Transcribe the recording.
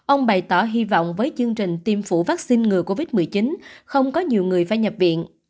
ông bày tỏ hy vọng với chương trình tiêm phủ vaccine ngừa covid một mươi chín không có nhiều người phải nhập viện